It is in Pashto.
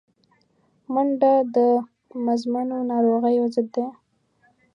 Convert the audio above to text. منډه د مزمنو ناروغیو ضد ده